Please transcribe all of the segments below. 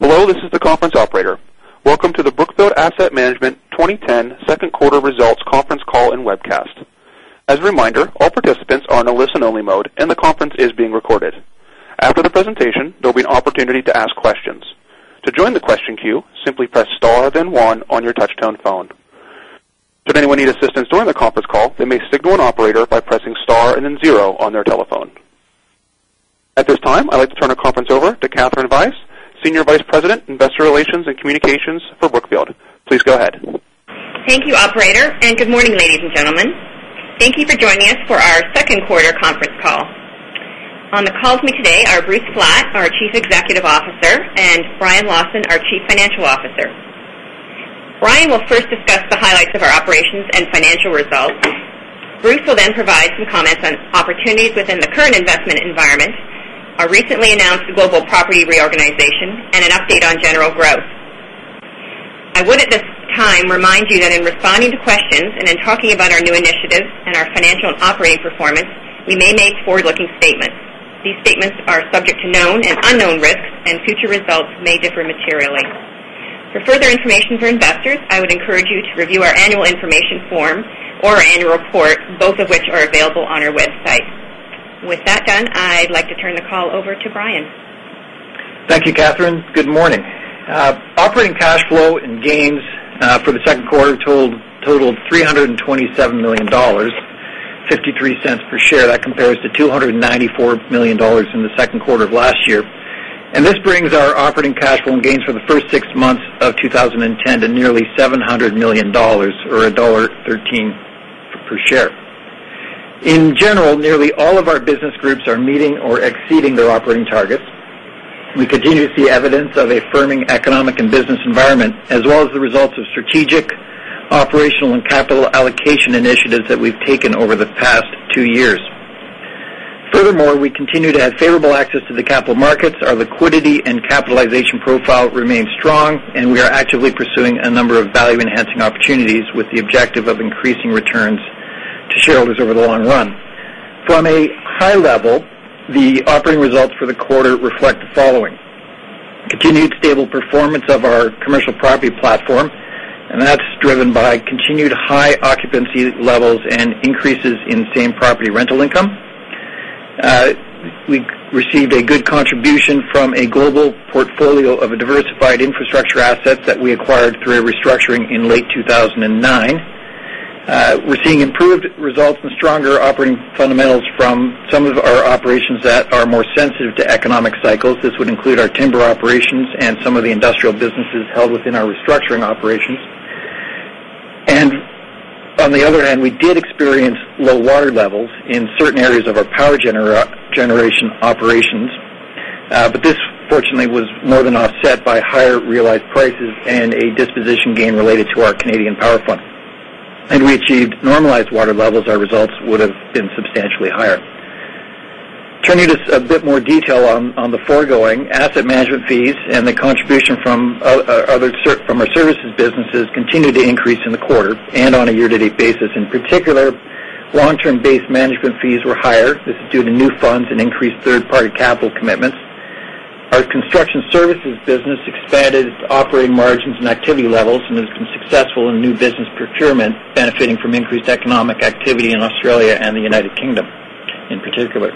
Hello, this is the conference operator. Welcome to the Brookfield Asset Management 20 10 Second Quarter Results Conference Call and Webcast. As a reminder, all participants are in a listen only mode and the conference is being recorded. After the presentation, there will be an opportunity to ask questions. At this time, I'd like to turn the conference over to Kathryn Vice, Senior Vice President, Investor Relations and Communications for Brookfield. Please go ahead. Thank you, operator, and good morning, ladies and gentlemen. Thank you for joining us for our Q2 conference call. On the call with me today are Bruce Flat, our Chief Executive Officer and Brian Lawson, our Chief Financial Officer. Brian will first discuss the highlights of our operations and financial results. Bruce will then provide some comments on opportunities within the current investment environment, our recently announced global property reorganization and an update on general growth. I would at this time remind you that in responding to questions and in talking about our new initiatives and our financial and operating performance, we may make forward looking statements. These statements are subject to known and unknown risks and future results may differ materially. For further information for investors, I would encourage you to review our annual information form or our annual report, both of which are available on our website. With that done, I'd like to turn the call over to Brian. Thank you, Catherine. Good morning. Operating cash flow and gains for the 2nd quarter totaled $327,000,000 $0.53 per share that compares to $294,000,000 in the Q2 of last year. And this brings our operating cash flow and gains for the 1st 6 months of 2010 to nearly $700,000,000 or $1.13 per share. In general, nearly all of our business groups are meeting or exceeding their operating targets. We continue to see evidence of a firming economic and business environment as well as the results of strategic, operational and capital allocation initiatives that we've taken over the past 2 years. Furthermore, we continue to have favorable access to the capital markets. Our liquidity and capitalization profile remains strong and we are actively pursuing a number of value enhancing opportunities with the objective of increasing returns to shareholders over the long run. From a high level, the operating results for the quarter reflect the following: continued stable performance of our commercial property platform and that's driven by continued high occupancy levels and increases in same property rental income. We received a good contribution from a global portfolio of diversified infrastructure assets that we acquired through a restructuring in late 2009. We're seeing improved results and stronger operating fundamentals from some of our operations that are more sensitive to economic cycles. This would include our timber operations and some of the industrial businesses held within our restructuring operations. And on the other hand, we did experience low water levels in certain areas of our power generation operations. But this fortunately was more than offset by higher realized prices and a disposition gain related to our Canadian power fund. And we achieved normalized water levels, our results would have been substantially higher. Turning to a bit more detail on the foregoing, asset management fees and the contribution from other from our services businesses continued to increase in the quarter and on a year to date basis. In particular, long term base management fees were higher. This is due to new funds and increased third party capital commitments. Our construction services business expanded operating margins and activity levels and has been successful in new business procurement benefiting from increased economic activity in Australia and the United Kingdom in particular.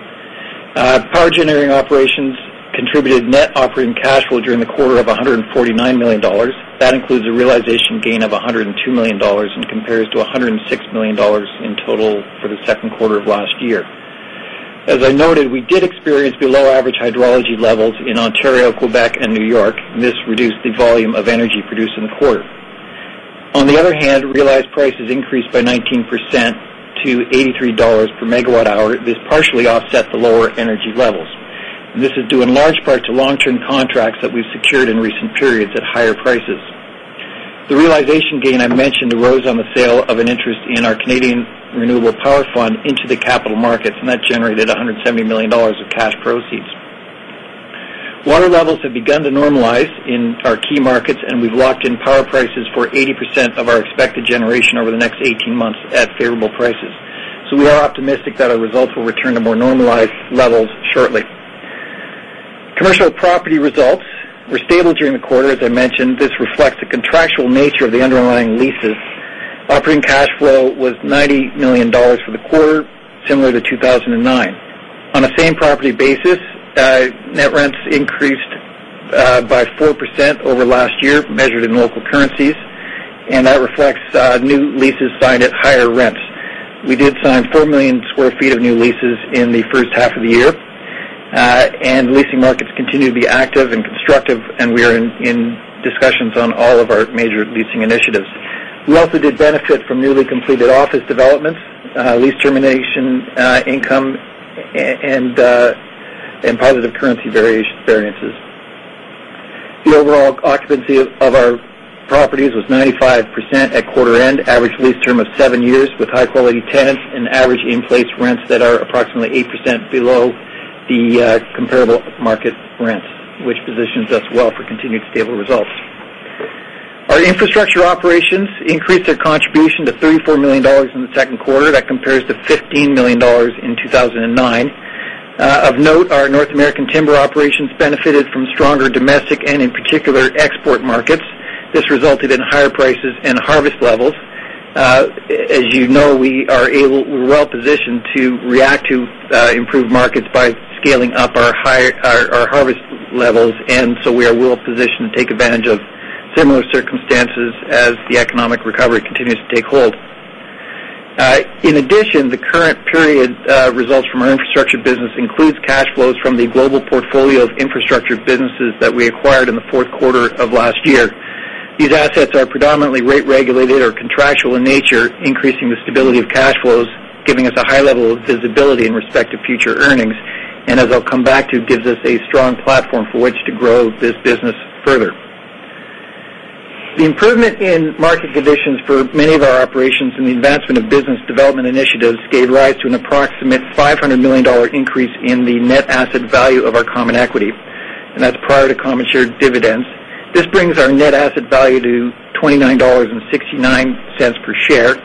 Power generating operations contributed net operating cash flow during the quarter of $149,000,000 That includes a realization gain of 100 and $2,000,000 and compares to $106,000,000 in total for the Q2 of last year. As I noted, we did experience below average hydrology levels in Ontario, Quebec and New York and this reduced the volume of energy produced in the quarter. On the other hand, realized prices increased by 19% to $83 per megawatt hour. This partially offset the lower energy levels. This is due in large part to long term contracts that we've secured in recent periods at higher prices. The realization gain I mentioned arose on the sale of an interest in our Canadian Renewable Power Fund into the capital markets and that generated $170,000,000 of cash proceeds. Water levels have begun to normalize in our key markets and we've locked in power prices for 80% of our expected generation over the next 18 months at favorable prices. So we are optimistic that our results will return to more normalized levels shortly. Commercial property results were stable during the quarter. As I mentioned, this reflects the contractual nature of the underlying leases. Operating cash flow was $90,000,000 for the quarter, similar to 2,009. On a same property basis, net rents increased by 4% over last year, measured in local currencies, and that reflects new leases signed at higher rents. We did sign 4,000,000 square feet of new leases in the first half of the year and leasing markets continue to be active and constructive and we are in discussions on all of our major leasing initiatives. We also did benefit from newly completed office developments, lease termination income and positive currency variances. The overall occupancy of our properties was 95 percent@quarterendaverage lease term of 7 years with high quality tenants and average in place rents that are approximately 8% below the comparable market rents, which positions us well for continued stable results. Our infrastructure operations increased our contribution to $34,000,000 in 2nd quarter that compares to $15,000,000 in 2,009. Of note, our North American timber operations benefited from stronger domestic and in particular export markets. This resulted in higher prices and harvest levels. As you know, we are able well positioned to react to improved markets by scaling up our harvest levels. And so we are well positioned to take advantage of similar circumstances as the economic recovery continues to take hold. In addition, the current period results from our infrastructure business includes cash flows from the global portfolio of infrastructure businesses that we acquired in the Q4 of last year. These assets are predominantly rate regulated or contractual in nature, increasing the stability of cash flows, giving us a high level of visibility in respect to future earnings and as I'll come back to gives us a strong platform for which to grow this business further. The improvement in market conditions for many of our operations and the advancement of business development initiatives gave rise to an approximate $500,000,000 increase in the net asset value of our common equity and that's prior to common share dividends. This brings our net asset value to $29.69 per share.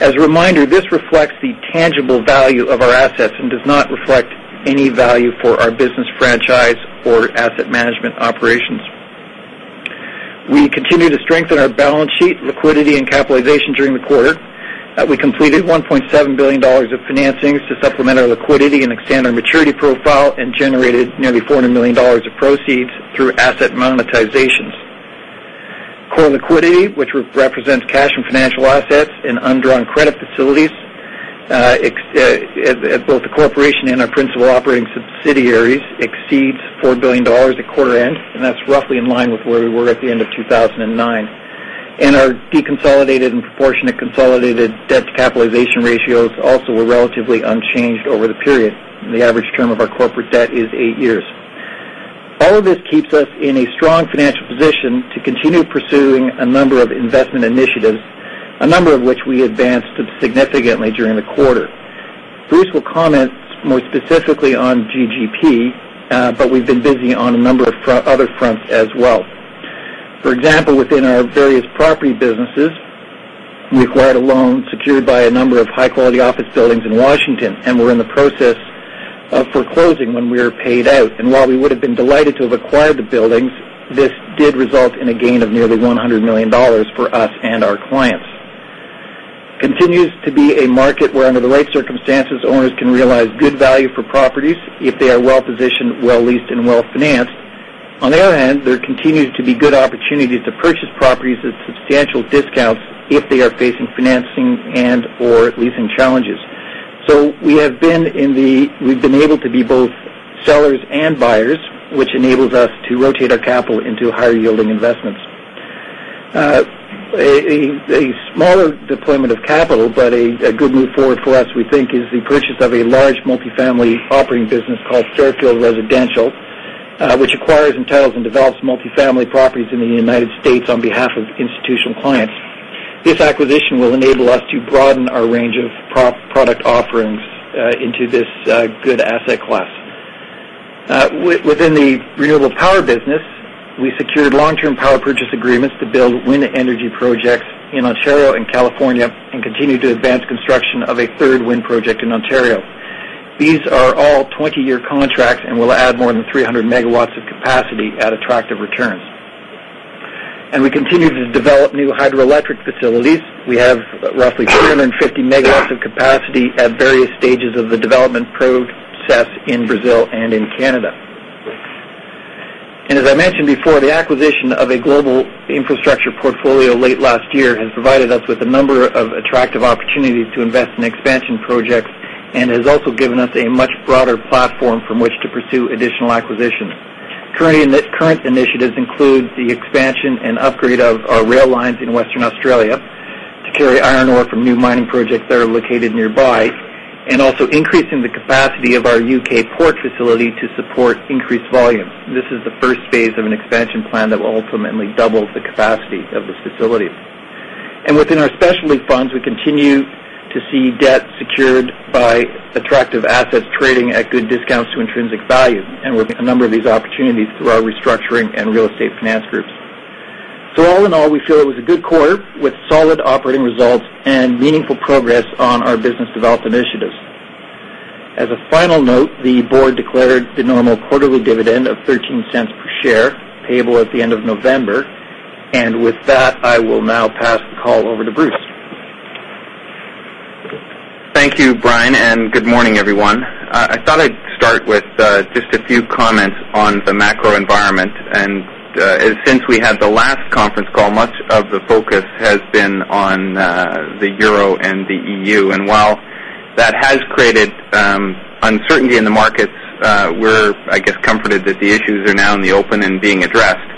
As a reminder, this reflects the tangible value of our assets and does not reflect any value for our business franchise or asset management operations. We continue to strengthen our balance sheet, liquidity and capitalization during the quarter. We completed $1,700,000,000 of financings to supplement our liquidity and extend our maturity profile and generated nearly $400,000,000 of proceeds through asset monetizations. Core liquidity, which represents cash and financial assets and undrawn credit facilities at both the corporation and our principal operating subsidiaries exceeds $4,000,000,000 at quarter end and that's roughly in line with where we were at the end of 2,009. And our deconsolidated and proportionate consolidated debt to capitalization ratios also were relatively unchanged over the period. And the average term of our corporate debt is 8 years. All of this keeps us in a strong financial position to continue pursuing a number of investment initiatives, a number of which we advanced significantly during the quarter. Bruce will comment more specifically on GGP, but we've been busy on a number of other fronts as well. For example, within our various property businesses, we acquired a loan secured by a number of high quality office buildings in Washington and we're in the process of foreclosing when we are paid out. And while we would have been delighted to have acquired the buildings, this did result in a gain of nearly $100,000,000 for us and our clients. Continues to be a market where under the right circumstances owners can realize good value for properties if they are well positioned, well leased and well financed. On their end, there continues to be good opportunities to purchase properties at substantial discounts if they are facing financing and or leasing challenges. So we have been in the we've been able to be both sellers and buyers, which enables us to rotate our capital into higher yielding investments. A smaller deployment of capital, but a good move forward for us we think is the purchase of a large multifamily operating business called Fairfield Residential, which acquires, entitles and develops multifamily properties in the United States on behalf of institutional clients. This acquisition will enable us to broaden our range of product offerings into this good asset class. Within the renewable power business, we secured long term power purchase agreements to build wind energy projects in Ontario and California and continue to advance construction of a 3rd wind project in Ontario. These are all 20 year contracts and will add more than 300 megawatts of capacity at attractive returns. And we continue to develop new hydroelectric facilities. We have roughly 3 50 megawatts of capacity at various stages of the development proved SES in Brazil and in Canada. And as I mentioned before, the acquisition of a global infrastructure portfolio late last year has provided us with a number of attractive opportunities to invest in expansion projects and has also given us a much broader platform from which to pursue additional acquisitions. Current initiatives include the expansion and upgrade of our rail lines in Western Australia to carry iron ore from new mining projects that are located nearby and also increasing the capacity of our U. K. Port facility to support increased volumes. This is the first phase of an expansion plan that will ultimately double the capacity of this facility. And within our specialty funds, we continue to see debt secured by attractive assets trading at good discounts to intrinsic value and we're seeing a number of these opportunities through our restructuring and real estate finance groups. So all in all, we feel it was a good quarter with solid operating results and meaningful progress on our business developed initiatives. As a final note, the Board declared the normal quarterly dividend of $0.13 per share payable at the end of November. And with that, I will now pass the call over to Bruce. Thank you, Brian, and good morning, everyone. I thought I'd start with just a few comments on the macro environment. And since we had the last conference call, much of the focus has been on the euro and the EU. And while that has created uncertainty in the markets, we're, I guess, comforted that the issues are now in the open and being addressed.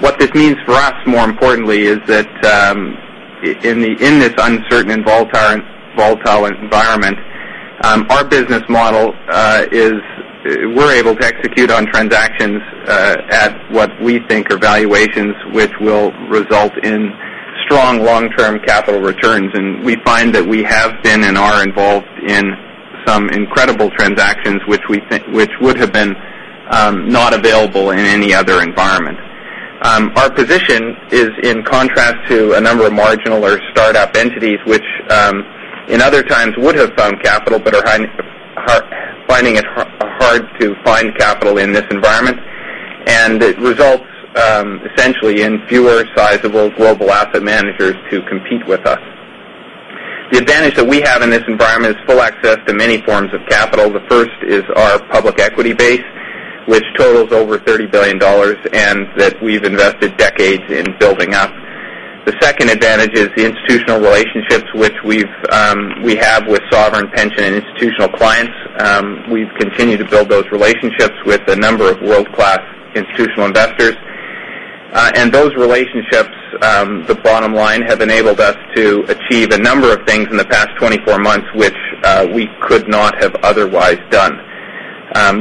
What this means for us more importantly is that in this uncertain and volatile environment, our business model is we're able to execute on transactions at what we think are valuations, which will result in strong long term capital returns. And we find that we have been and are involved in some incredible transactions, which we think which would have been not available in any other environment. Our position is in contrast to a number of marginal or startup entities, which in other times would have found capital, but are finding it hard to find capital in this environment. And it results essentially in fewer sizable global asset managers to compete with us. The advantage that we have in this environment is full access to many forms of capital. The first is our public equity base, which totals over $30,000,000,000 and that we've invested decades in building up. The second advantage is the institutional relationships which we have with Sovereign Pension and Institutional Clients. We've continued to build those relationships with a number of world class institutional investors. And those relationships, the bottom line have enabled us to achieve a number of things in the past 24 months, which we could not have otherwise done.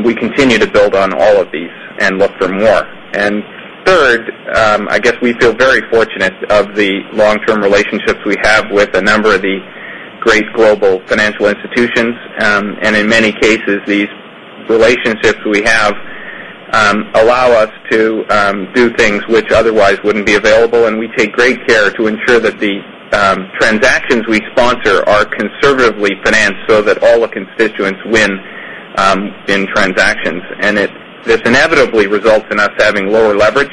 We continue to build on all of these and look for more. And 3rd, I guess we feel very fortunate of the long term relationships we have with a number of the great global financial institutions. And in many cases, these relationships we have allow us to do things which otherwise wouldn't be available and we take great care to ensure that the transactions we sponsor are conservatively financed so that all the constituents win in transactions and this inevitably results in us having lower leverage.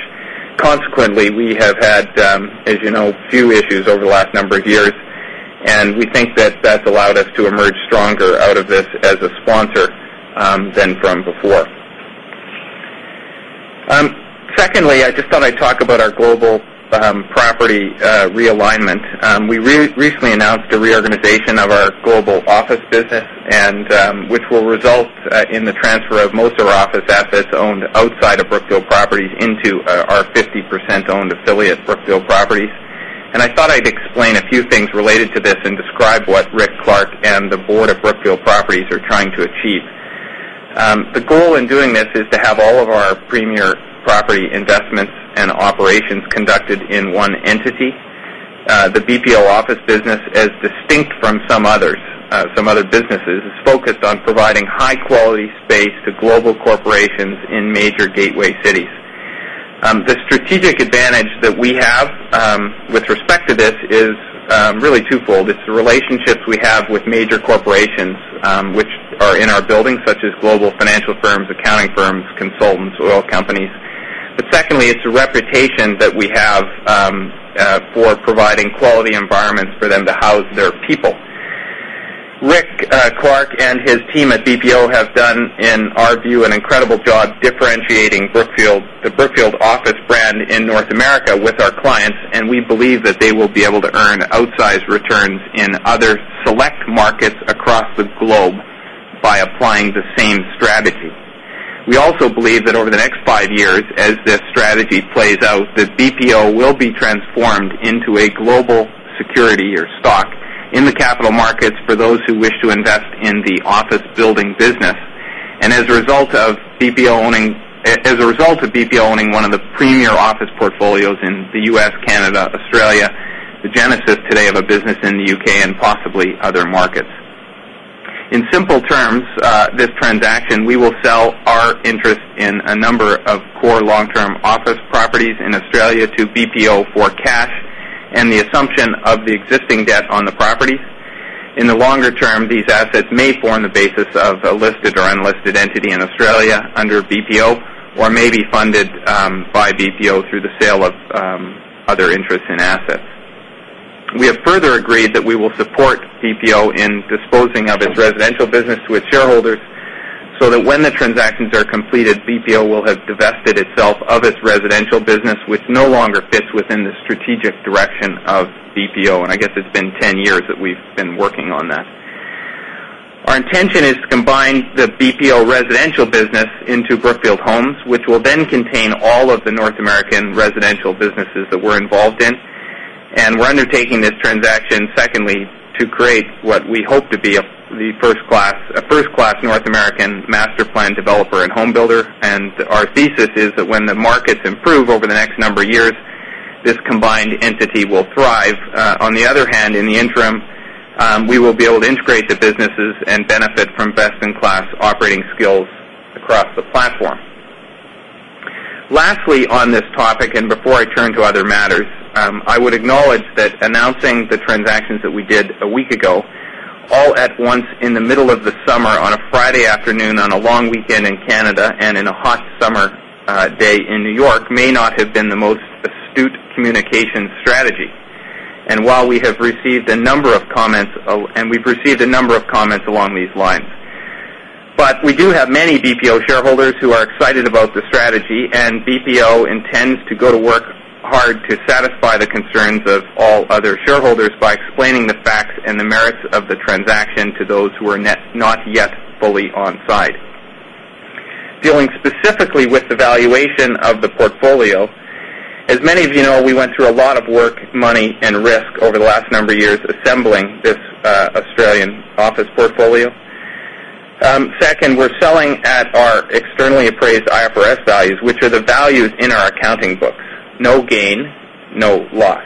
Consequently, we have had, as you know, few issues over the last number of years. And we think that that's allowed us to emerge stronger out of this as a sponsor than from before. Secondly, I just thought I'd talk about our global property realignment. We recently announced a reorganization of our global office business and which will result in the transfer of most of our office assets owned outside of Brookfield Properties into our 50% owned affiliate Brookfield Properties. And I thought I'd explain a few things related to this and describe what Rick Clark and the Board of Brookfield Properties are trying to achieve. The goal in doing this is to have all of our premier property investments and operations conducted in one entity. The BPO office business is distinct from some others. Some other businesses is focused on providing high quality space to global corporations in major gateway cities. The strategic advantage that we have with respect to this is really twofold. It's the relationships we have with major corporations, which are in our buildings such as global financial firms, accounting firms, consultants, oil companies. Secondly, it's a reputation that we have for providing quality environments for them to house their people. Rick Clark and his team at BPO have done in our view an incredible job differentiating Brookfield office brand in North America with our clients and we believe that they will be able to earn outsized returns in other select markets across the globe by applying the same strategy. We also believe that over the next 5 years as this strategy plays out that BPO will be transformed into a global security or stock in the capital markets for those who wish to invest in the office building business. And as a result of BPO owning 1 of the premier office portfolios in the U. S, Canada, Australia, the genesis today of a business in UK and possibly other markets. In simple terms, this transaction, we will sell our interest in a number of core long term office properties in Australia to BPO for cash and the assumption of the existing debt on the properties. In the longer term, these assets may form the basis of a listed or unlisted entity in Australia under BPO or maybe funded by BPO through the sale of other interests and assets. We have further agreed that we will support BPO in disposing of its residential business to its shareholders so that when the transactions are completed BPO will have divested itself of its residential business which no longer fits within the strategic direction of BPO and I guess it's been 10 years that we've been working on that. Our intention is to combine the BPO residential business into Brookfield Homes which will then contain all of the North American Residential businesses that we're involved in and we're undertaking this transaction secondly to create what we hope to be the 1st class North American master plan developer and homebuilder. And our thesis is that when the markets improve over the next number of years, this combined entity will thrive. On the other hand, in the interim, we will be able to integrate the businesses and benefit from best in class operating skills across the platform. Lastly, on this topic and before I turn to other matters, I would acknowledge that announcing the transactions that we did a week ago, all at once in the middle of the summer on a Friday afternoon on a long weekend in Canada and in a hot summer day in New York may not have been the most astute communication strategy. And while we have received a number of comments along these lines. But we do have many BPO shareholders who are excited about the strategy and BPO intends to go to work hard to satisfy the concerns of all other shareholders by explaining the facts and the merits of the transaction to those who are not yet fully on-site. Dealing specifically with the valuation of the portfolio, as many of you know, we went through a lot of work, money and risk over the last number of years assembling this Australian office portfolio. 2nd, we're selling at our externally appraised IFRS values, which are the values in our accounting book, no gain, no loss.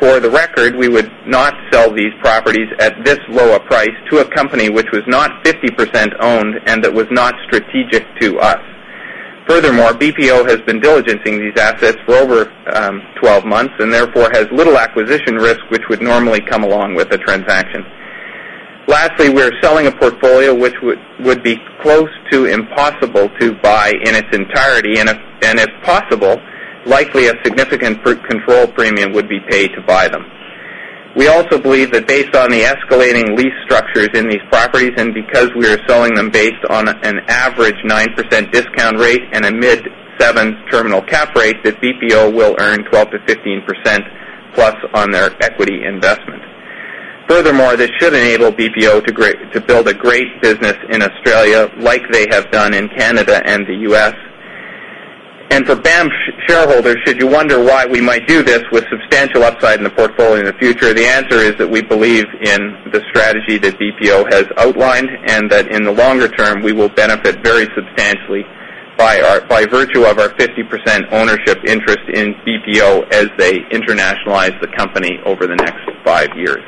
For the record, we would not sell these properties at this lower price to a company which was not 50% owned and that was not strategic to us. Furthermore, BPO has been diligencing these assets for over 12 months and therefore has little acquisition risk which would normally come along with the transaction. Lastly, we are selling a portfolio which would be close to impossible to buy in its entirety and if possible, likely a significant control premium would be paid to buy them. We also believe that based on the escalating lease structures in these properties and because we are selling them based on an average 9% discount rate and a mid 7% terminal cap rate that BPO will earn 12% to 15% plus on their equity investment. Furthermore, this should enable BPO to build a great business in Australia like they have done in Canada and the U. S. And for BAM shareholders, should you wonder why we might do this with substantial upside in the portfolio in the future, the answer is that we believe in the strategy that BPO has outlined and that in the longer term we will benefit very substantially by virtue of our 50 percent ownership interest in BPO as they internationalize the company over the next 5 years.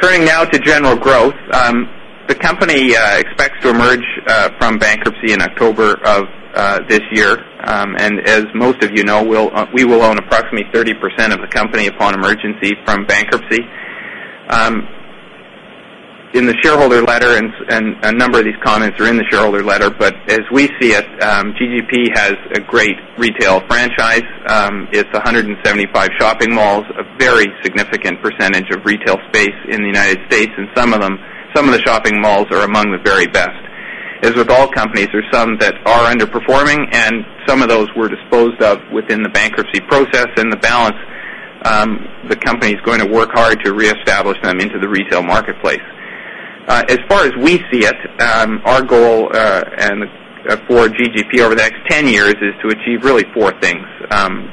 Turning now to general growth, the company expects to emerge from bankruptcy in October of this year. And as most of you know, we will own approximately 30% of the company upon emergency from bankruptcy. In the shareholder letter and a number of these comments are in the shareholder letter, but as we see it, GGP has a great retail franchise. It's 175 shopping malls, a very significant percentage of retail space in the United States. And some of them some of the shopping malls are among the very best. As with all companies, there's some that are underperforming and some of those were disposed of within the bankruptcy process and the balance the company is going to work hard to reestablish them into the retail marketplace. As far as we see it, our goal for GGP over the next 10 years is to achieve really four things.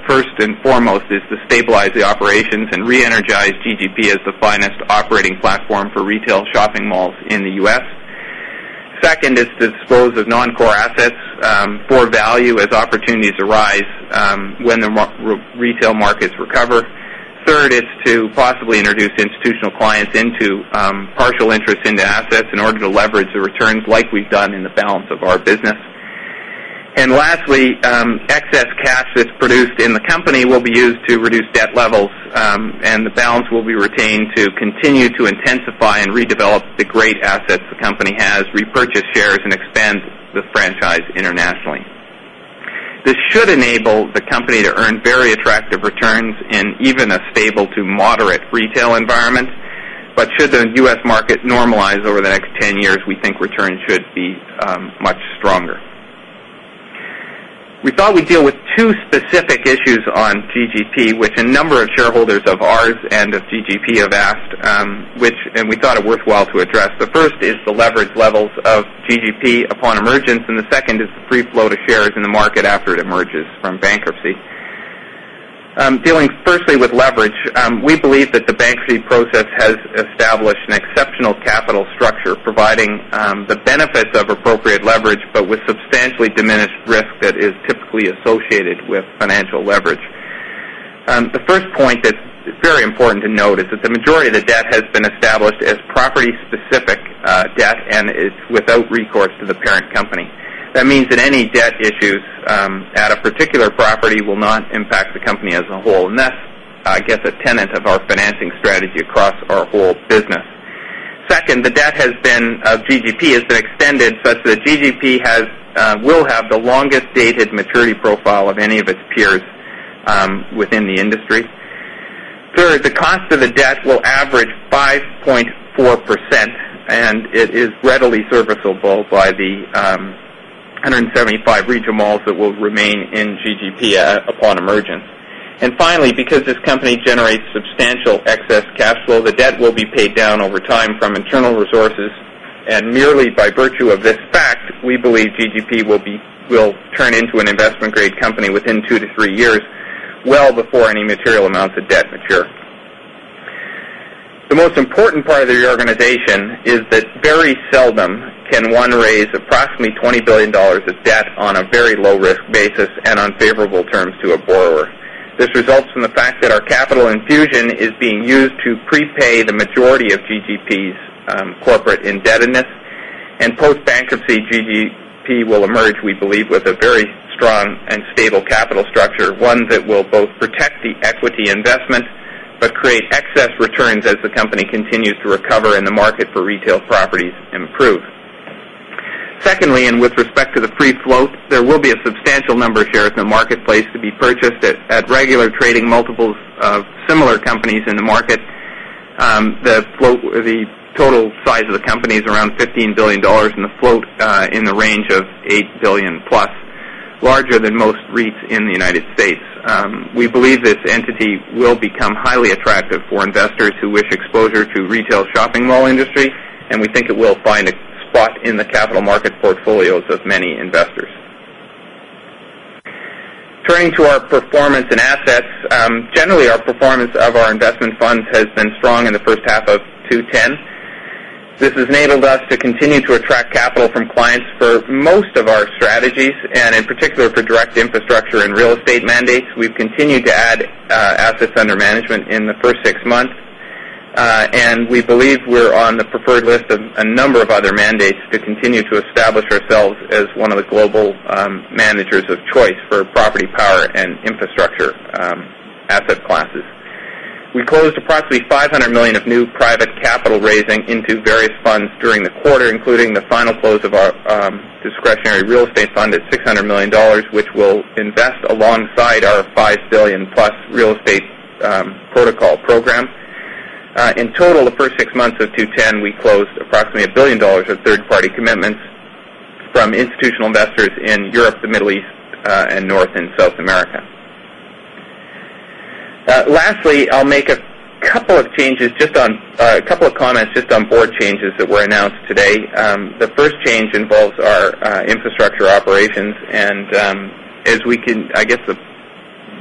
First and foremost is to stabilize the operations and re energize GGP as the finest operating platform for retail shopping malls in the U. S. 2nd is to dispose of non core assets for value as opportunities arise when the retail markets recover. 3rd is to possibly introduce institutional clients into partial interest into assets in order to leverage the returns like we've done in the balance of our business. And lastly, excess cash that's produced in the company will be used to reduce debt levels and the balance will be retained to continue to intensify and redevelop the great assets the company has, repurchase shares and expand the franchise internationally. This should enable the company to earn very attractive returns in even a stable to moderate retail environment. But should the U. S. Market normalize over the next 10 years, we think return should be much stronger. We thought we'd deal with 2 specific issues on GGP, which a number of shareholders of ours and of GGP have asked, which we thought it worthwhile to address. The first is the leverage levels of GGP upon emergence and the second is the free flow to shares in the market after it emerges from bankruptcy. Dealing firstly with leverage, we believe that the bankruptcy process has established an exceptional capital structure providing the benefits of appropriate leverage, but with substantially diminished risk that is typically associated with financial leverage. The first point that's very important to note is that the majority of the debt has been established as property specific debt and it's without recourse to the parent company. That means that any debt issues at a particular property will not impact the company as a whole. And that's I guess a tenant of our financing strategy across our whole business. 2nd, the debt has been of GGP has been extended such that GGP has will have the longest dated maturity profile of any of its peers within the industry. 3rd, the cost of the debt will average 5.4 percent and it is readily serviceable by the 175 region malls that will remain in GGP upon emergence. And finally, because this company generates substantial excess cash flow, the debt will be paid down over time from internal resources. And merely by virtue of this fact, we believe GGP will be will turn into an investment grade company within 2 to 3 years, well before any material amounts of debt mature. The most important part of the organization is that very seldom can one raise approximately $20,000,000,000 of debt on a very low risk basis and on favorable terms to a borrower. This results from the fact that our capital infusion is being used to prepay the majority of GGP's corporate indebtedness and post bankruptcy GGP will emerge we believe with a very strong and stable capital structure, one that will both protect the equity investment but create excess returns as the company continues to recover in the market for retail properties improve. Secondly, and with respect to the free float, there will be a substantial number of shares in the marketplace to be purchased at regular trading multiples of similar companies in the market. The total size of the company is around $15,000,000,000 and the float in the range of $8,000,000,000 plus larger than most REITs in the United States. We believe this entity will become highly attractive for investors who wish exposure to retail shopping mall industry and we think it will find a spot in the capital market portfolios of many investors. Turning to our performance in assets. Generally, our performance of our investment funds has been strong in the first half of twenty ten. This has enabled us to continue to attract capital from clients for most of our strategies and in particular for direct infrastructure and real estate mandates. We've continued to add assets under management in the 1st 6 months and we believe we're on the preferred list of a number of other mandates to continue to establish ourselves as one of the global managers of choice for property, power and infrastructure asset classes. We closed approximately $500,000,000 of new private capital raising into various funds during the quarter, including the final close of our discretionary real estate fund at $600,000,000 which will invest alongside our $5,000,000,000 plus real estate protocol program. In total, the 1st 6 months of 2/10, we closed approximately $1,000,000,000 of third party commitments from institutional investors in Europe, the Middle East and North and South America. Lastly, I'll make a couple of changes just on a couple of comments just on Board changes that were announced today. The first change involves our infrastructure operations and as we can I guess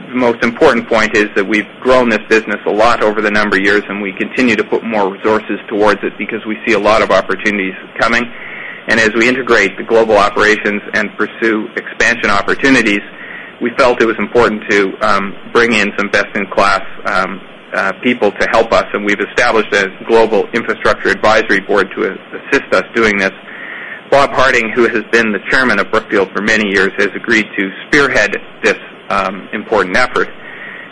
the most important point is that we've grown this business a lot over the number of years and we continue to put more resources towards it because we see a lot of opportunities coming? And as we integrate the global operations and pursue expansion opportunities, we felt it was important to bring in some best in class people to help us and we've established a global infrastructure advisory board to assist us doing this. Bob Harding who has been the Chairman of Brookfield for many years has agreed to spearhead this important effort.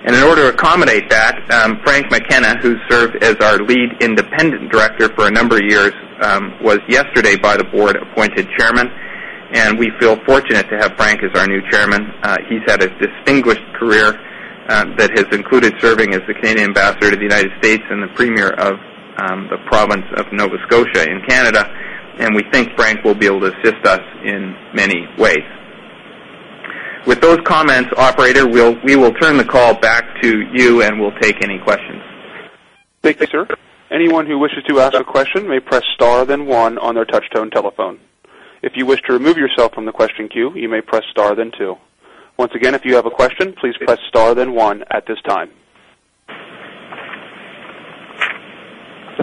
And in order to accommodate that, Frank McKenna, who served as our Lead Independent Director for a number of years, was yesterday by the Board appointed Chairman and we feel fortunate to have Frank as our new Chairman. He's had a distinguished career that has included serving as the Canadian ambassador to the United States and the Premier of the province of Nova Scotia in Canada and we think Frank will be able to assist us in many ways. With those comments, operator, we will turn the call back to you and we'll take any questions. Thank you, sir. The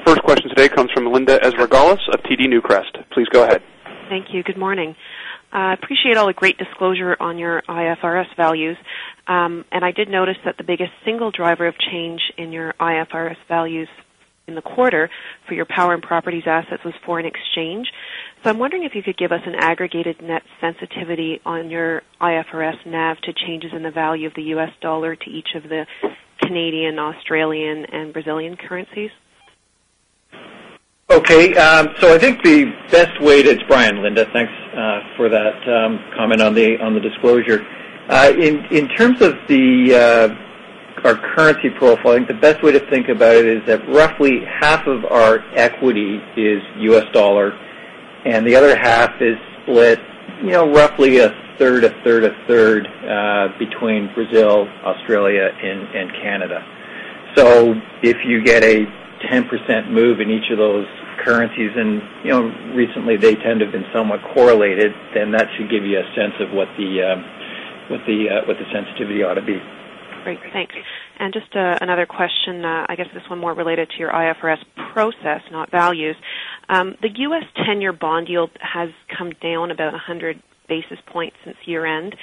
first question today comes from Linda Ezergailis of TD Newcrest. Please go ahead. Thank you. Good morning. I appreciate all the great disclosure on your IFRS values. And I did notice that the biggest single driver of change in your IFRS values in the quarter for your Power and Properties assets was foreign exchange. So I'm wondering if you could give us an aggregated net sensitivity on your IFRS NAV to changes in the value of the U. S. Dollar to each of the Canadian, Australian and Brazilian currencies? Okay. So I think the best way to it's Brian, Linda. Thanks for that comment on the disclosure. In terms of the our currency profile, I think the best way to think about it is that roughly half of our equity is U. S. Dollar and the other half is and Canada. So if you get a 10% and Canada. So if you get a 10% move in each of those currencies and recently they tend to have been somewhat correlated then that should give you a sense of what the sensitivity ought to be. Great. Thanks. And just another question. I guess this one more related to your IFRS process, not values. The U. S. 10 year bond yield has come down about 100 basis points since year end.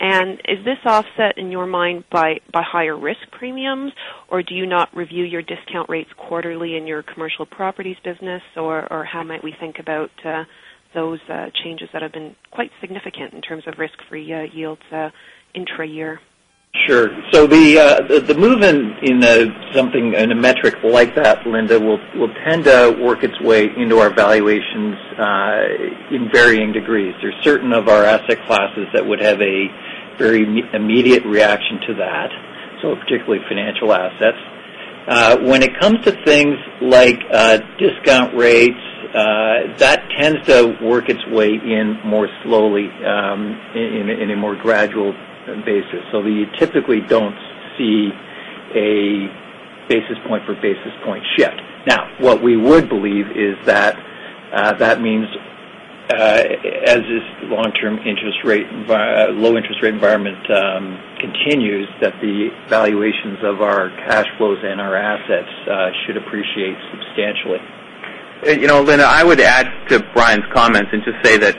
And is this offset in your mind by higher risk premiums? Or do you not review your discount rates quarterly in your commercial properties business? Or how might we think about those changes that have been quite significant in terms of risk free yields intra year? Sure. So the move in something in a metric like that Linda will tend to work its way into our valuations in varying degrees. There are certain of our asset classes that would have a very immediate reaction to that, so particularly financial assets. When it comes to things like discount rates that tends to work its way in more slowly in a more gradual basis. So we typically don't see a basis point for basis point shift. Now what we would believe is that, that means as this long term interest rate low interest rate environment continues that the valuations of our cash flows and our assets should appreciate substantially. Linda, I would add to Brian's comments and just say that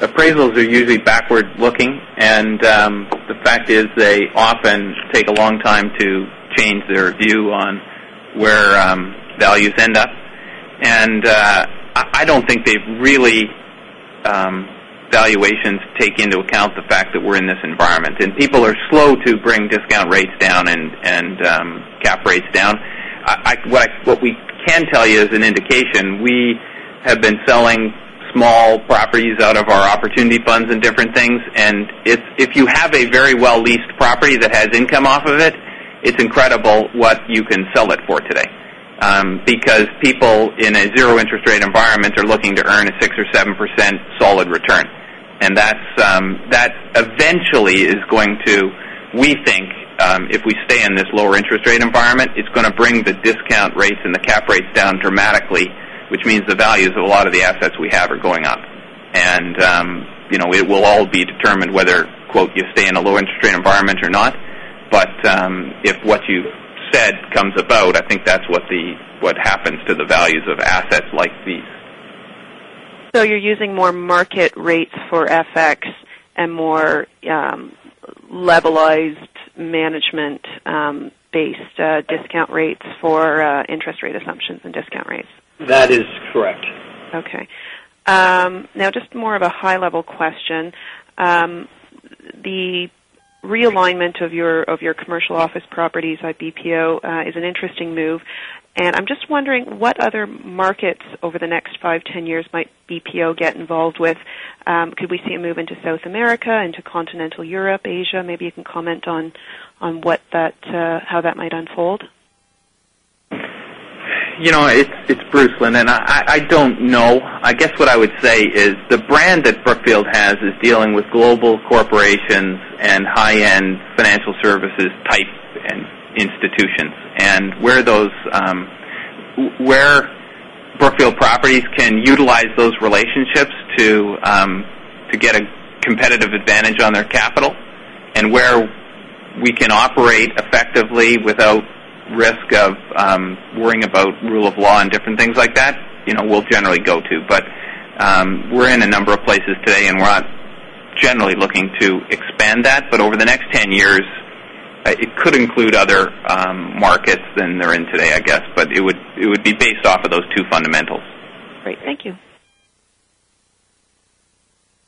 appraisals are usually backward looking. And the fact is they often take a long time to change their view on where values end up. And I don't think they've really valuations take into account the fact that we're in this environment and people are slow to bring discount rates down and cap rates down. What we can tell you is an indication. We have been selling small properties out of our opportunity funds and different things. And if you have a very well leased property that has income off of it, it's incredible what you can sell it for today because people in a zero interest rate environment are looking to earn a 6% or 7% solid return. And that eventually is going to, we think, if we stay in this lower interest rate environment, it's going to bring the discount rates and the cap rates down dramatically, which means the values of a lot of the assets we have are going up. And it will all be determined whether you stay in a low interest rate environment or not. But if what you said comes about, I think that's what the what happens to the values of assets like these. So you're using more market rates for FX and more levelized management based discount rates for interest rate assumptions and discount rates? That is correct. Okay. Now just more of a high level question. The realignment of your commercial office properties at BPO is an interesting move. And I'm just wondering what other markets over the next 5, 10 years might BPO get involved with? Could we see a move into South America, into Continental Europe, Asia? Maybe you can comment on what that how that might unfold? It's Bruce Lynn. And I don't know. I guess what I would say is the brand that Brookfield has is dealing with global corporations and high end financial services type and institutions. And where those where Brookfield Properties can utilize those relationships to get a competitive advantage on their capital and where we can operate effectively without risk of worrying about rule of law and different things like that, we'll generally go to. But we're in a number of places today and we're not generally looking to expand that. But over the next 10 years, it could include other markets than they're in today, I guess. But it would be based off of those two fundamentals. The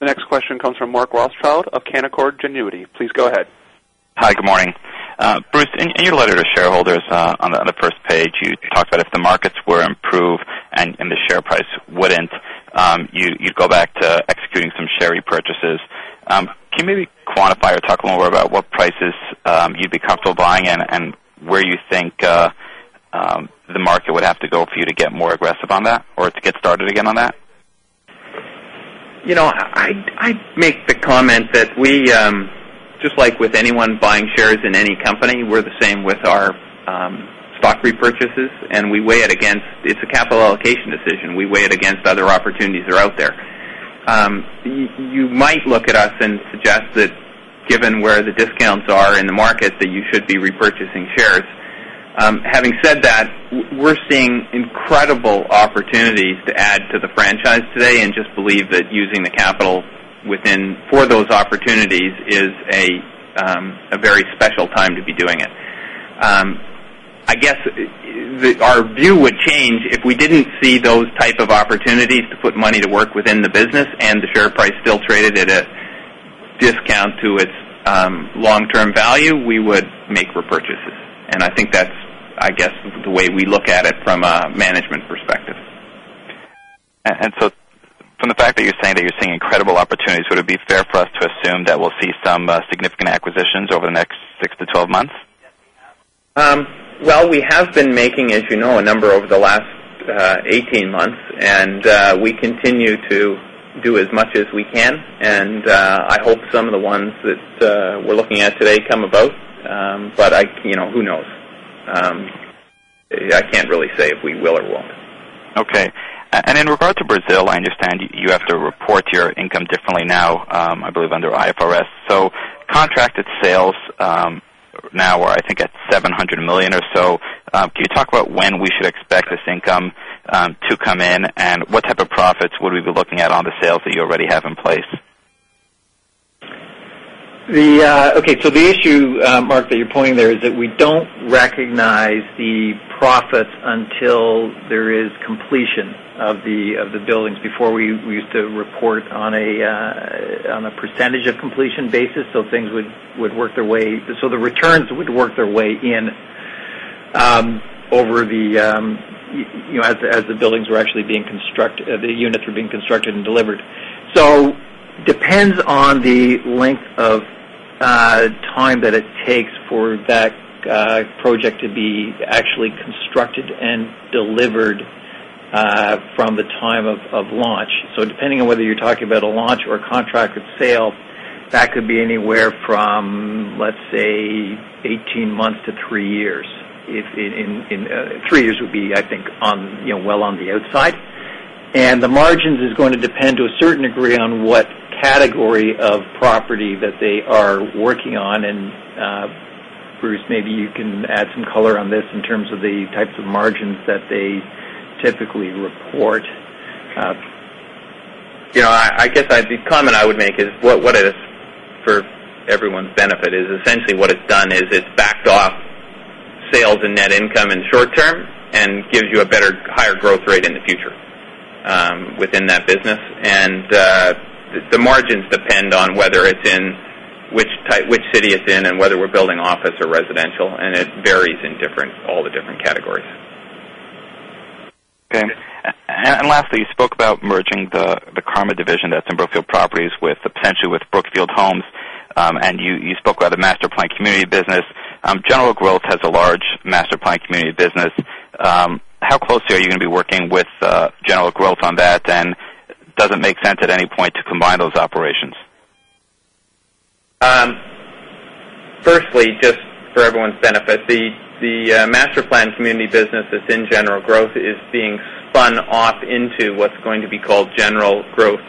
next question comes from Mark Rothschild of Canaccord Genuity. Please go ahead. Hi, good morning. Bruce, in your letter to shareholders on the first page, you talked about if the markets were improved and the share price wouldn't, you'd go back to executing some share repurchases. Can you maybe quantify or talk a little more about what prices you'd be comfortable buying and where you think the market would have to go for you to get more aggressive on that or to get started again on that? I'd make the comment that we just like with anyone buying shares in any company, we're the same with our stock repurchases and we weigh it against it's a capital allocation decision. We weigh it against other opportunities that are out there. You might look at us and suggest that given where the discounts are in the market that you should be repurchasing shares. Having said that, we're seeing incredible opportunities to add to the franchise today and just believe that using the capital within for those opportunities is a very special time to be doing it. I guess our view would change if we didn't see those type of opportunities to put money to work within the business and the share price still traded at a discount to its long term value, we would make repurchases. And I think that's, I guess, the way we look at it from a management perspective. And so from the fact that you're saying that you're seeing incredible opportunities, would it be fair for us to assume that we'll see some significant acquisitions over the next 6 to 12 months? Well, we have been making as you know a number over the last 18 months and we continue to do as much as we can and I hope some of the ones that we're looking at today come about, but who knows. I can't really say if we will or won't. Okay. And in regard to Brazil, I understand you have to report your income differently now, I believe under IFRS. So contracted sales now are, I think, at $700,000,000 or so. Can you talk about when we should expect this income to come in and what type of profits would we be looking at on the sales that you already have in place? Okay. So the issue, Mark, that you're pointing there is that we don't recognize the profits until there is completion of the buildings before we used to report on a percentage of completion basis. So things would work their way. So the returns would work their way in over the as the buildings were actually being the units were being constructed and delivered. So depends on the length of time that it takes for that project to be actually constructed and delivered from the time of launch. So depending on whether you're talking about a launch or a contract of sale that could be anywhere from let's say 18 months to 3 years. If in 3 years would be I think on well on the outside. And the margins is going to depend to a certain degree on what category of property that they are working on. And Bruce maybe you can add some color on this in terms of the types of margins that they typically report. I guess the comment I would make is what it is for everyone's benefit is essentially what it's done is it's backed off sales and net income in short term and gives you a better higher growth rate in the future within that business. And the margins depend on whether it's in which type which city it's in and whether we're building or residential and it varies in different all the different categories. Okay. And lastly, you spoke about merging the Karma division that's in Brookfield Properties with potentially with Brookfield Homes, and you spoke about the master plan community business. General Growth has a large master plan community business. How closely are you going to be working with General Growth on that? And does it make sense at any point to combine those operations? Firstly, just for everyone's benefit, the master plan community business that's in general growth is being spun off into what's going to be called general growth.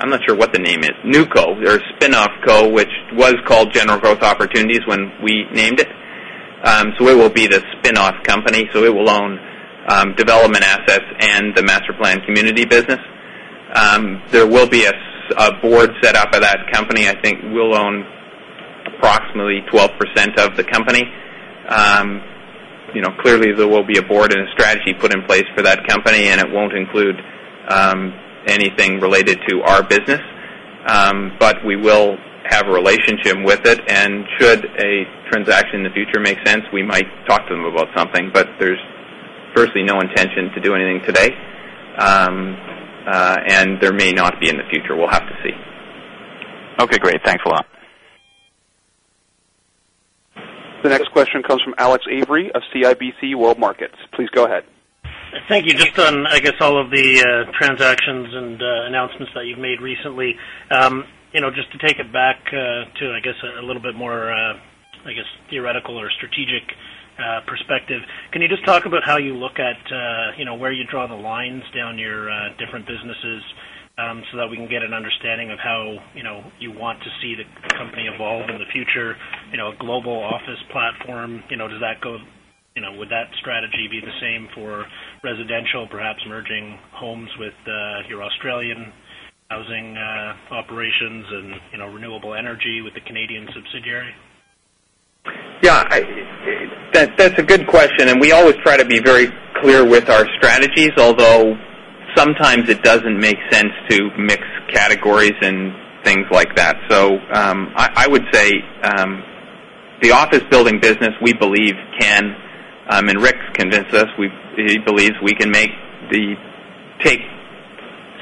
I'm not sure what the name is. NewCo, their spin off co, which was called General Growth Opportunities when we named it. So it will be the spin off company. So it will own development assets and the master plan community business. There will be a board set up of that company. I think we'll own approximately 12% of the company. Clearly, there will be a board and a strategy put in place for that company and it won't include anything related to our business. But we will have a relationship with it and should a transaction in the future make sense, we might talk to them about something. But there's firstly no intention to do anything today. And there may not be in the future. We'll have to see. The next question comes from Alex Avery of CIBC World Markets. Please go ahead. Thank you. Just on, I guess, all of the transactions and announcements that you made recently. Just to take it back to, I guess, a little bit more, I guess, theoretical or strategic perspective. Can you just talk about how you look at where you draw the lines down your different businesses so that we can get an understanding of how you want to see the company evolve in the future, a global office platform, does that go would that strategy be the same for residential perhaps merging homes with your Australian housing operations and renewable energy with the Canadian subsidiary? Yes. That's a good question. And we always try to be very clear with our strategies, although sometimes it doesn't make sense to mix categories and things like that. So I would say the office building business, we believe can and Rick's convinced us, he believes we can make the take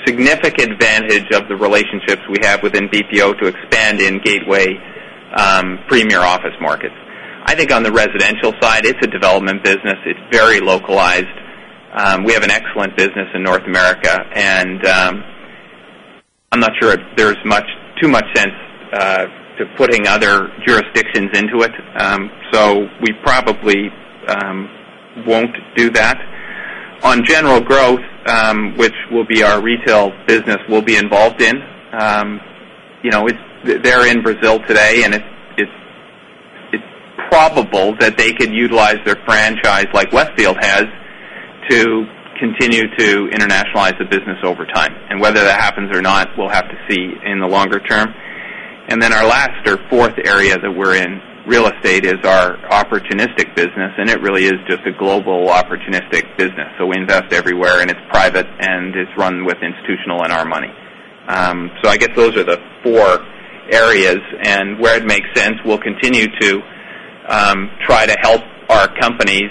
significant advantage of the relationships we have within BPO to expand in gateway premier office markets. I think on the residential side, it's a development business. It's very localized. We have an excellent business in North America. And I'm not sure if there's much too much sense to putting other jurisdictions into it. So we probably won't do that. On general growth, which will be our retail business will be involved in, in. They're in Brazil today and it's probable that they can utilize their franchise like Westfield has to continue to internationalize the business over time. And whether that happens or not, we'll have to see in the longer term. And then our last or 4th area that we're in real estate is our opportunistic business and it really is just a global opportunistic business. So we invest everywhere and it's private and it's run with institutional and our money. So I guess those are the 4 areas and where it makes sense, we'll continue to try to help our companies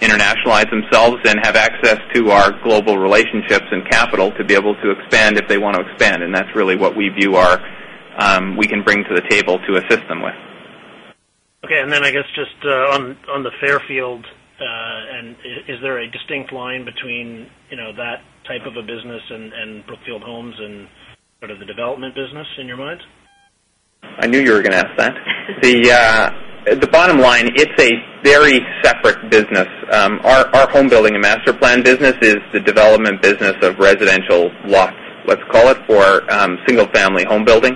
internationalize themselves and have access to our global relationships and capital to be able to expand if they want to expand. And that's really we view our we can bring to the table to assist them with. Okay. And then I guess just on the Fairfield and is there a distinct line between that type of a business and Brookfield Homes and sort of the development business in your mind? I knew you were going to ask that. The bottom line, it's a very separate business. Our homebuilding and master plan business is the development of residential lots, let's call it, for single family homebuilding.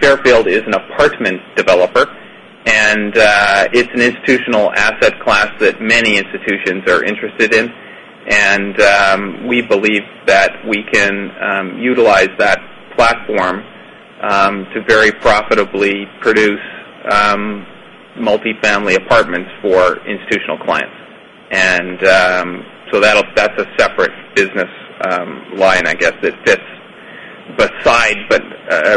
Fairfield is an apartment developer, and it's an institutional asset class that many institutions are interested in. And we believe that we can utilize that platform to very profitably produce multifamily apartments for institutional clients. And so that's a separate business line, I guess, that fits beside but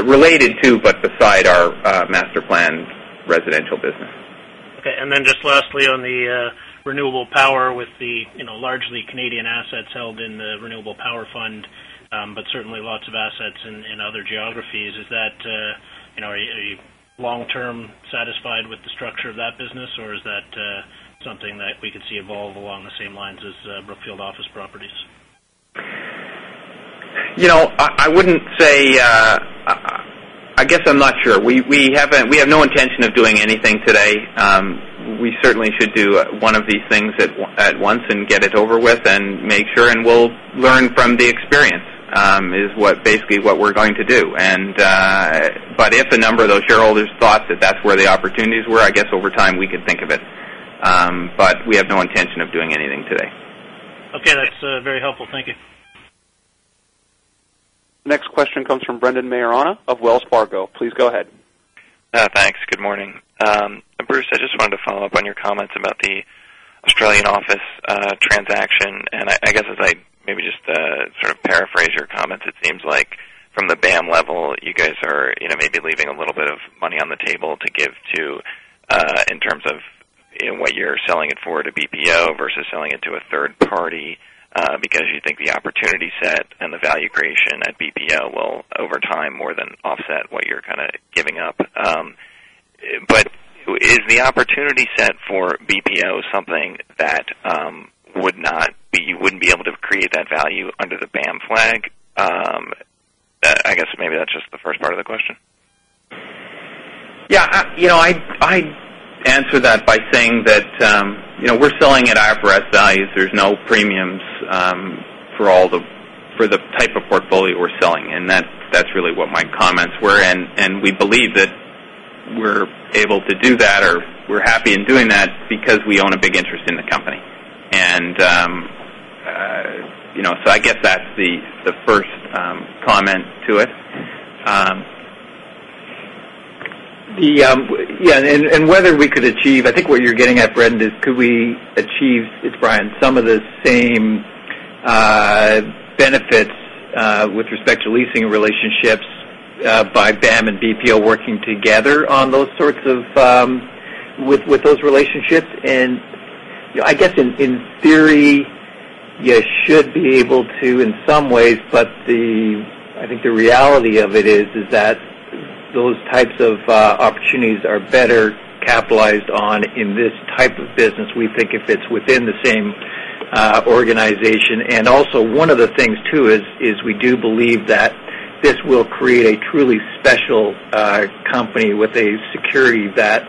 related to but beside our master plan residential business. Okay. And then just lastly on the Renewable Power with the largely Canadian assets held in the Renewable Power Fund, but certainly lots of assets in other geographies. Is that long term satisfied with the structure of that business? Or is that something that we could see evolve along the same lines as Brookfield Office Properties? I wouldn't say I guess I'm not sure. We have no intention of doing anything today. We certainly should do one of these things at once and get it over with and make sure and we'll learn from the experience is what basically what we're going to do. But if a number of those shareholders thought that that's where the opportunities were, I guess over time we could think of it. But we have no intention of doing anything today. Okay. That's very helpful. Thank you. Next question comes from Brendan Mayeron of Wells Fargo. Please go ahead. Thanks. Good morning. Bruce, I just wanted to follow-up on your comments about the Australian office transaction. And I guess as I maybe just sort of paraphrase your comments, it seems like from the BAM level, you guys are maybe leaving a little bit of money on the table to give to in terms of what you're selling it for to BPO versus selling it to a 3rd party because you think the opportunity set and the value creation at BPO will over time more than offset what you're kind of giving up. But is the opportunity set for BPO something that would not be you wouldn't be able to create that value under the BAM flag? I guess maybe that's just the first part of the question. Yes. I'd answer that by saying that we're selling at IFRS values. There's no premiums for all the for the type of portfolio we're selling and that's really what my comments were and we believe that we're able to do that or we're happy in doing that because we own a big interest in the company. And so I guess that's the first comment to it. Yes, and whether we could achieve, I think what you're getting at, Brendan, could we achieve, it's Brian, some of the same benefits with respect to leasing relationships by BAM and BPO working together on those sorts of with those relationships. And I guess in theory, you should be able to in some ways, but the I think the reality of it is that those types of opportunities are better capitalized on in this type of business. We think it fits within the same organization. And also one of the things too is we do believe that this will create a truly special company with a security that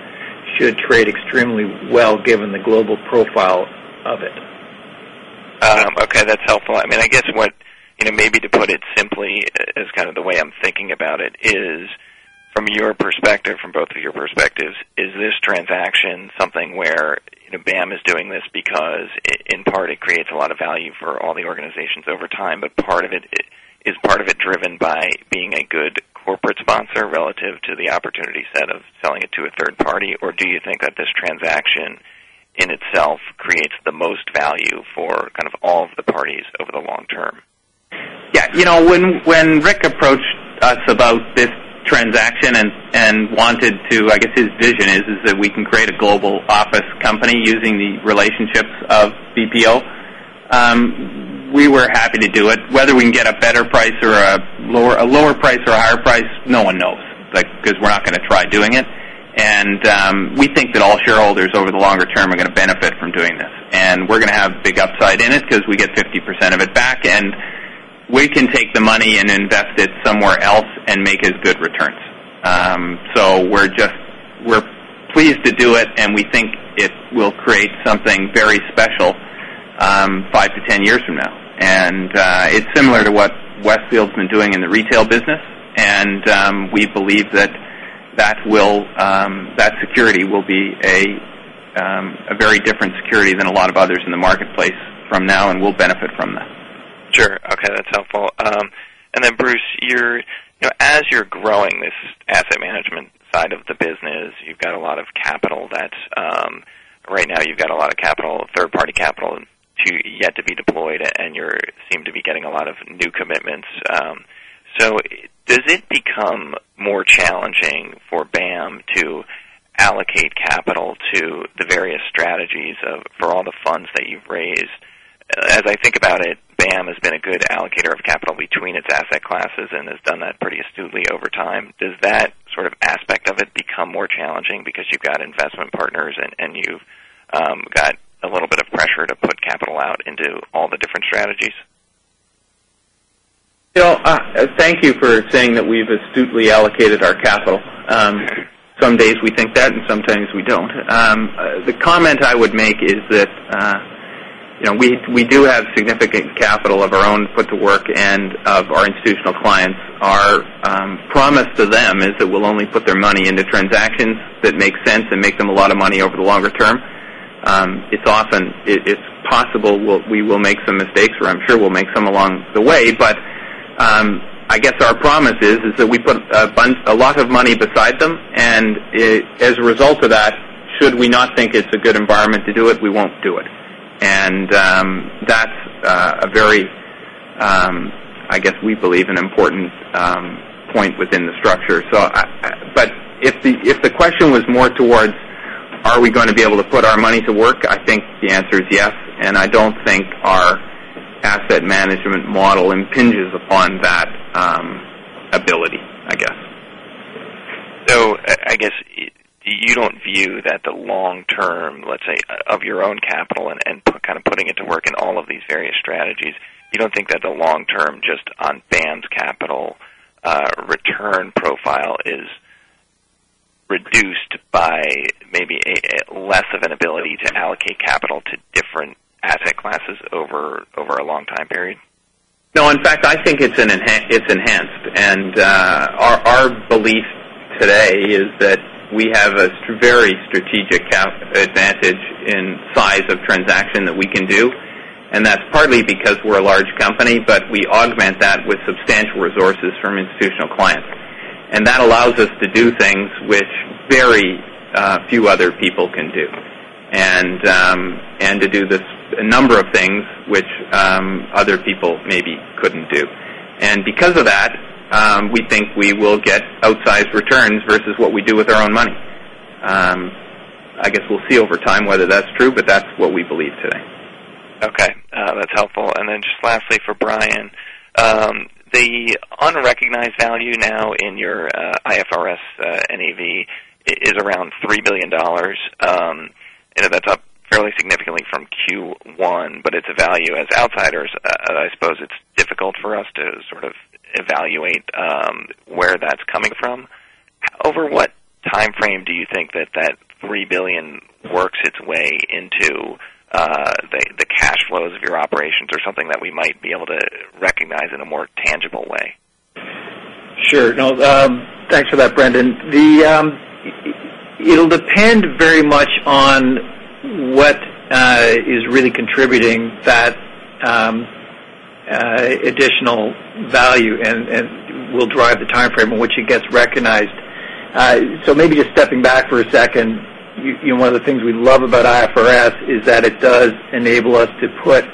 should trade extremely well given the global profile of it. Okay. That's helpful. I mean, I guess what maybe to put it simply as kind of the way I'm thinking about it is from your perspective, from both of your perspectives, is this transaction something where BAAM is doing this because in part it creates a lot of value for all the organizations over time, but part of it is part of it driven by being a good corporate sponsor relative to the opportunity set of selling it to a 3rd party? Or do you think that this transaction in itself creates the most value for kind of all of the parties over the long term? Yes. When Rick approached us about this transaction and wanted to I guess his vision is that we can create a global office company using the relationships of BPO. We were happy to do it. Whether we can get a better price or a lower price or a higher price, no one knows because we're not going to try doing it. And we think that all shareholders over the longer term are going to benefit from doing this. And we're going to have big upside in it because we get 50% of it back and we can take the money and invest it somewhere else and make as good returns. So, we're just we're pleased to do it and we think it will create something very special 5 to 10 years from now. And it's similar to what Westfield has been doing in the retail business. And we believe that, that will that security will be a very different security than a lot of others in the marketplace from now and we'll benefit from that. Sure. Okay. That's helpful. And then Bruce, you're as you're growing this asset management side of the business, you've got a lot of capital that's right now, you've got a lot of capital third party capital yet to be deployed and you seem to be getting a lot of new commitments. So does it become more challenging for BAAM to allocate capital to the various strategies of for all the funds that you've raised? As I think about it, BAM has been a good allocator of capital between its asset classes and has done that pretty astutely over time. Does that sort of aspect of it become more challenging because you've got investment partners and you've got a little bit of pressure to put capital out into all the different strategies? Phil, thank you for saying that we've astutely allocated our capital. Some days we think that and sometimes we don't. The comment I would make is that we do have significant capital of our own put to work and of our institutional clients. Our promise to them is that we'll only put their money into transactions that make sense and make them a lot of money over the longer term. It's often it's possible we will make some mistakes or I'm sure we'll make some along the way. But I guess our promise is, is that we put a lot of money beside them. And as a result of that, should we not think it's a good environment to do it, we won't do it. And that's a very, I guess, we believe an important point within the structure. So but if the question was more towards are we going to be able to put our money to work, I think the answer is yes. And I don't think our asset management model impinges upon that ability, I guess. So I guess you don't view that the long term, let's say, of your own capital and kind of putting it to work in all of these various strategies, you don't think that the long term just on Bands capital return profile is reduced by maybe less of an ability to allocate capital to different asset classes over a long time period? No, in fact, I think it's enhanced. And our belief today is that we have a very strategic advantage in size of transaction that we can do. And that's partly because we're a large company, but we augment that with substantial resources from institutional clients. And that allows us to do things which very few other people can do and to do this a number of things which other people maybe couldn't do. And because of that, we think we will get outsized returns versus what we do with our own money. I guess we'll see over time whether that's true, but that's what we believe today. Okay. That's helpful. And then just lastly for Brian, the unrecognized value now in your IFRS NAV is around $3,000,000,000 That's up fairly significantly from Q1, but it's a value as outsiders. I suppose it's difficult for us to sort of evaluate where that's coming from. Over what time frame do you think that, that $3,000,000,000 works its way into the cash flows of your operations or something that we might be able to recognize in a more tangible way? Sure. Thanks for that, Brendan. The it will depend very much on what is really contributing that additional value and will drive the timeframe in which it gets recognized. So maybe just stepping back for a second, one of the things we love about IFRS is that it does enable us to put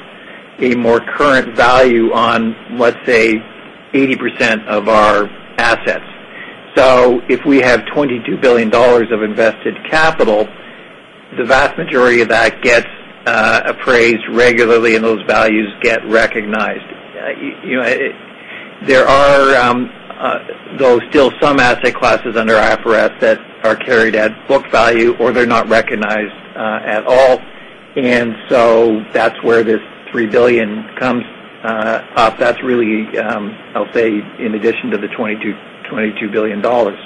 a more current value on, let's say, 80% of our assets. So if we have $22,000,000,000 of invested capital, the vast majority of that gets appraised regularly and those values get recognized. There are though still some asset classes under IFRS that are carried at book value or they're not recognized at all. And so that's where this $3,000,000,000 comes up. That's really, I'll say, in addition to the $22,000,000,000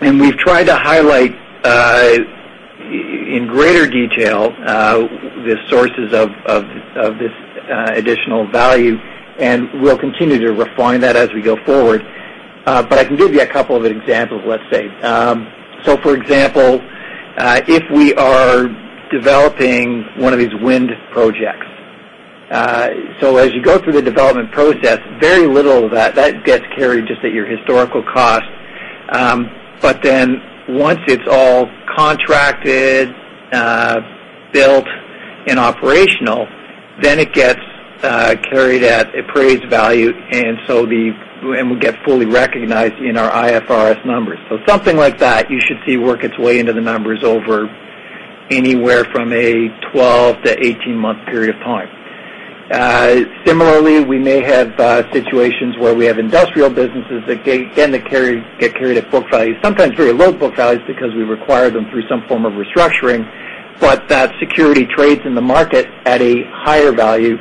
And we've tried to highlight in greater detail the sources of this additional value and we'll continue to refine that as we go forward. But I can give you a couple of examples, let's say. So for example, if we are developing one of these wind projects, So as you go through the development process, very little of that gets carried just at your historical cost. But then once it's all contracted, built and operational, then it gets carried at appraised value. And so the and we get fully recognized in our IFRS numbers. So something like that you should see work its way into the numbers over anywhere from a 12 month to 18 month period of time. Similarly, we may have situations where we have industrial businesses that get carried at book value, sometimes very low book values because we require them through some form of restructuring, but that security trades in the market at a higher value.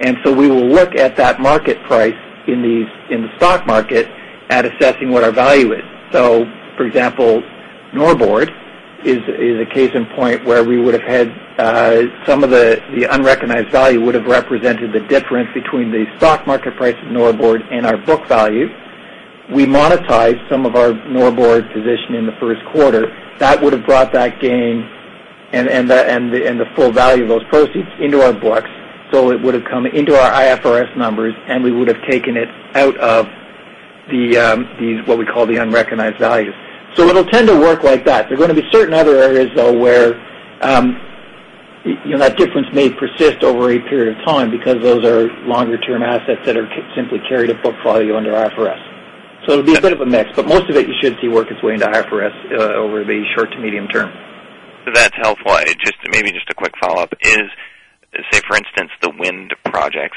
And so we will look at that market price in these in the stock market at assessing what our value is. So for example, Norbord is a case in point where we would have had some of the unrecognized value would have represented the difference between the stock market price of Norbord and our book value. We monetized some of our Norbord position in the Q1. That would have brought that gain and the full value of those proceeds into our books. So it would have come into our IFRS numbers and we would have taken it out of the these what we call the unrecognized values. So it will tend to work like that. There are going to be certain other areas though where that difference may persist over a period of time because those are longer term assets that are simply carried a portfolio under IFRS. So it'll be a bit of a mix, but most of it you should see work its way into IFRS over the short to medium term. That's helpful. Maybe just a quick follow-up is, say, for instance, the wind projects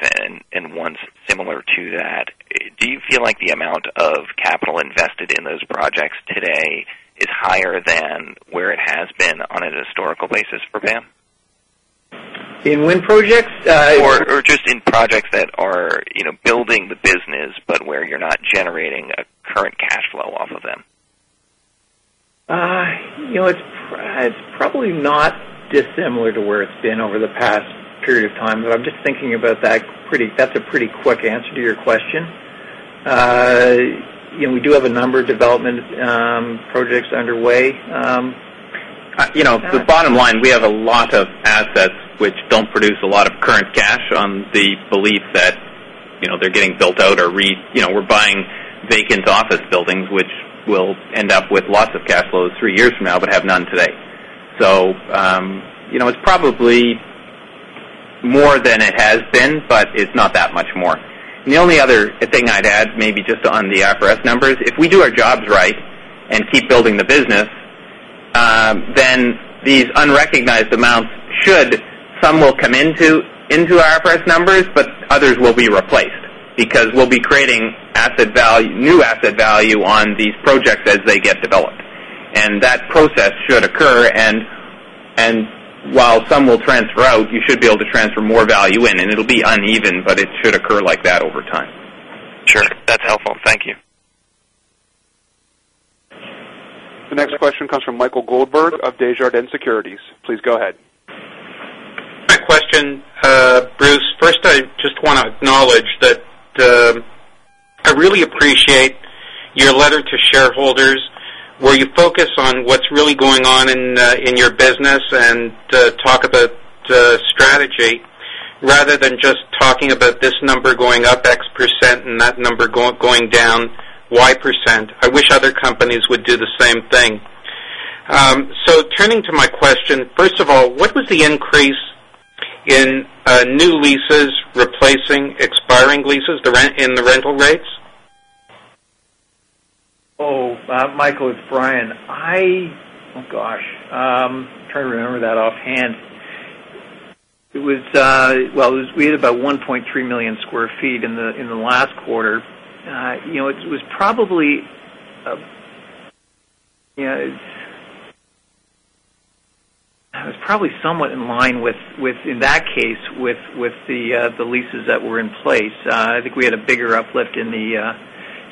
and ones similar to that, do you feel like the amount of capital invested in those projects today is higher than where it has been on a historical basis for VAM? In wind projects? Or just in projects that are building the business, but where you're not generating a current cash flow off of them? It's probably not dissimilar to where it's been over the past period of time. But I'm just thinking about that pretty that's a pretty quick answer to your question. We do have a number of development projects underway. The bottom line, we have a lot of assets which don't produce a lot of current cash on the belief that they're getting built out or we're buying vacant office buildings, which will end up with lots of cash flows 3 years from now but have none today. So it's probably more than it has been, but it's not that much more. The only other thing I'd add maybe just on the IFRS numbers. If we do our jobs right and keep building the business, then these unrecognized amounts should some will come into IFRS numbers, but others will be replaced because we'll be creating asset value, new asset value on these projects as they get developed. And that process should occur. And while some will transfer out, you should be able to transfer more value in and it will be uneven, but it should occur like that over time. Sure. That's helpful. Thank you. The next question comes from Michael Goldberg of Desjardins Securities. Please go ahead. My question, Bruce. First, I just want to acknowledge that I really appreciate your letter to shareholders where you focus on what's really going on in your business and talk about strategy rather than just talking about this number going up X percent and that number going down Y percent. I wish other companies would do the same thing. So turning to my question, first of all, what was the increase in new leases replacing expiring leases in the rental rates? Michael, it's Brian. I oh gosh, I'm trying to remember that offhand. It was well, we had about 1,300,000 square feet in the last quarter. It was probably it was probably somewhat in line with in that case with the leases that were in place. I think we had a bigger uplift in the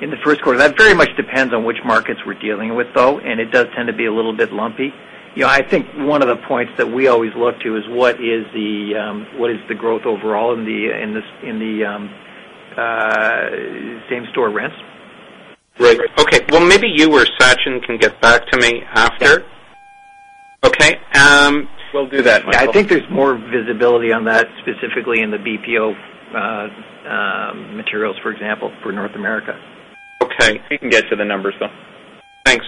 Q1. That very much depends on which markets we're dealing with though and it does tend to be a little bit lumpy. I think one of the points that we always look to is what is the growth overall in the same store rents. Right. Okay. Well maybe you or Sachin can get back to me after. Okay. We'll do that Michael. I think there's more visibility on that specifically in the BPO materials, for example, for North America. Okay. You can get to the numbers though. Thanks.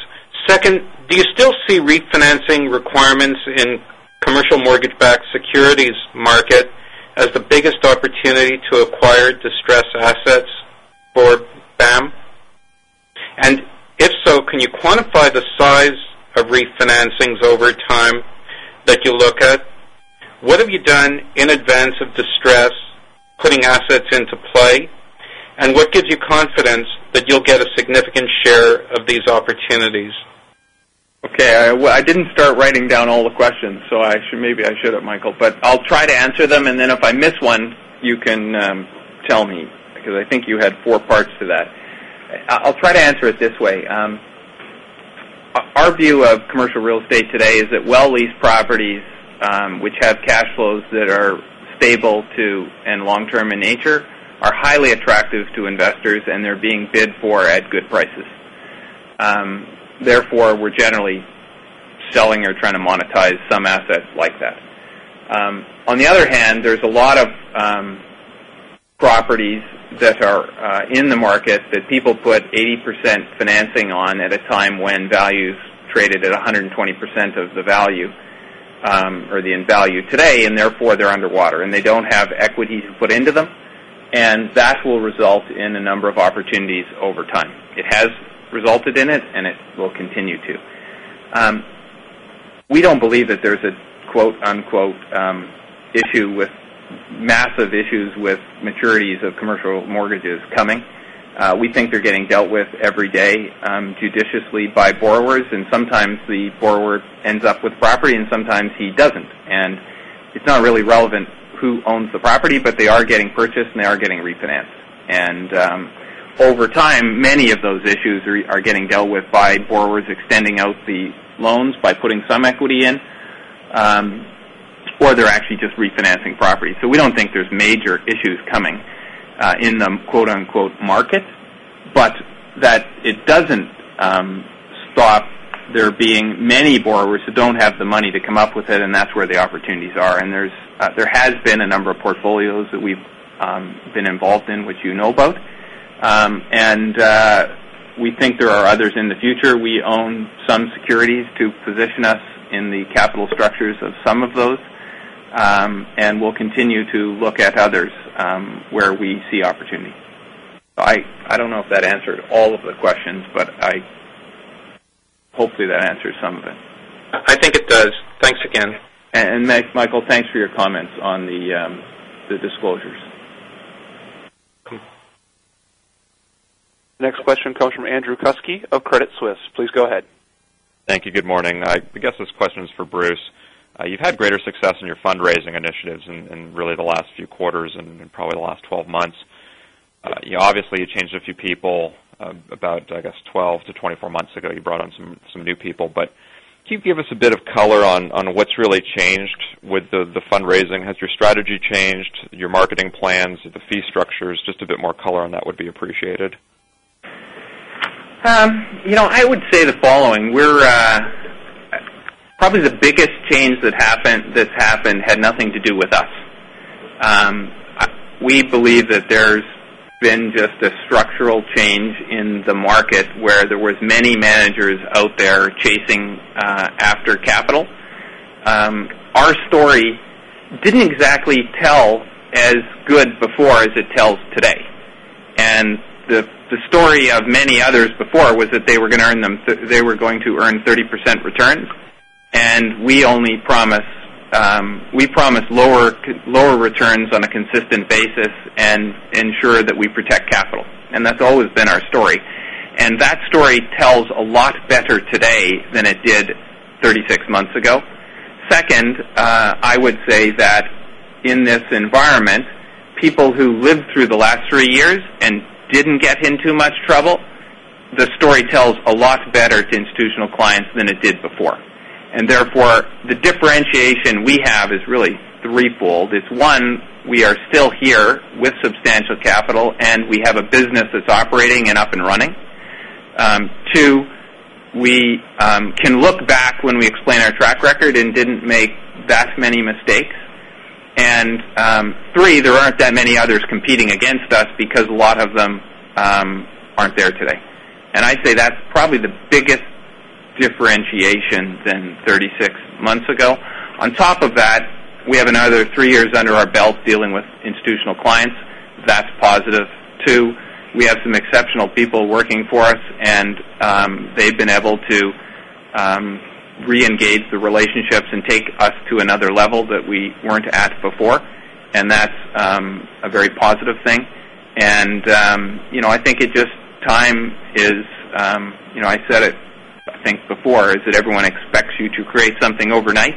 2nd, do you still see refinancing requirements in commercial mortgage backed securities market as the biggest opportunity to acquire distressed assets for BAM? And if so, can you quantify the size of refinancings over time that you look at? What have you done in advance of distress putting assets into play? And what gives you confidence that you'll get a significant share of these opportunities? Okay. I didn't start writing down all the questions. So I should maybe I should have, Michael. But I'll try to answer them. And then if I miss one, you can tell me because I think you had 4 parts to that. I'll try to answer it this way. Our view of commercial real estate today is that well leased properties, which have cash flows that are stable to and long term in nature, are highly attractive to investors and they're being bid for at good prices. Therefore, we're generally selling or trying to monetize some assets like that. On the other hand, there's a lot of properties that are in the market that people put 80% financing on at a time when value is traded at 120% of the value or the end value today and therefore they're underwater and they don't have equities put into them and that will result in a number of opportunities over time. It has resulted in it and it will continue to. We don't believe that there's a issue with massive issues with maturities of commercial mortgages coming. We think they're getting dealt with every day judiciously judiciously by borrowers. And sometimes the borrower ends up with property and sometimes he doesn't. And it's not really relevant who owns the property, but they are getting purchased and they are getting refinanced. And over time, many of those issues are getting dealt with by borrowers extending out the loans by putting some equity in or they're actually just refinancing properties. So we don't think there's major issues coming in the market, But that it doesn't stop there being many borrowers who don't have the money to come up with it, and that's where the opportunities are. And there has been a number of portfolios that we've been involved in, which you know about. And we think there are others in the future. We own some securities to position us in the capital structures of some of those. And we'll continue to look at others where we see opportunity. So I don't know if that answered all of the questions, but I hopefully that answers some of it. I think it does. Thanks again. And Michael, thanks for your comments on the disclosures. Next question comes from Andrew Kuske of Credit Suisse. Please go ahead. Thank you. Good morning. I guess this question is for Bruce. You've had greater success in your fundraising initiatives in really the last few quarters and probably the last 12 months. Obviously, you changed a few people about, I guess, 12 to 24 months ago, you brought on some new people. But can you give us a bit of color on what's really changed with the fundraising? Has your strategy changed, your marketing plans, the fee structures? Just a bit more color on that would be appreciated. I would say the following. We're probably the biggest change that happened had nothing to do with us. We believe that there's been just a structural change in the market where there was many managers out there chasing after capital. Our story didn't exactly tell as good before as it tells today. And the story of many others before was that they were going to earn 30% returns and we only promise lower returns on a consistent basis and ensure that we protect capital. And that's always been our story. And that story tells a lot better today than it did 36 months ago. 2nd, I would say that in this environment, people who lived through the last 3 years and didn't get in too much trouble, the story tells a lot better to institutional clients than it did before. And therefore, the differentiation we have is really 3 fold. It's 1, we are still here with substantial capital and we have a business that's operating and up and running. 2, we can look back when we explain our track record and didn't make that many mistakes. And 3, there aren't that many others competing against us because a lot of them aren't there today. And I'd say that's probably the biggest differentiation than 36 months ago. On top of that, we have another 3 years under our belt dealing with institutional clients. That's positive too. We have some exceptional people working for us and they've been able to reengage the relationships and take us to another level that we weren't at before and that's a very positive thing. And I think it just time is I said it I think before is that everyone expects you to create something overnight.